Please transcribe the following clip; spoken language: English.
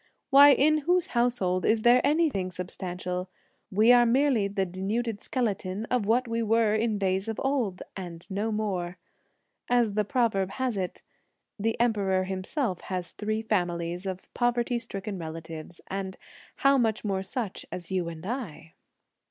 Why, in whose household is there anything substantial? we are merely the denuded skeleton of what we were in days of old, and no more! As the proverb has it: The Emperor himself has three families of poverty stricken relatives; and how much more such as you and I?"